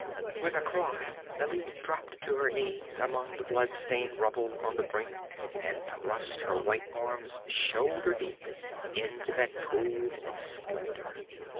With a cry Bêlit dropped to her knees among the blood stained rubble on the brink and thrust her white arms shoulder deep into that pool of splendor.